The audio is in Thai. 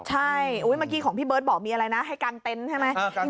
ใช่เมื่อกี้ของพี่เบิร์ตบอกมีอะไรนะให้กางเต็นต์ใช่ไหม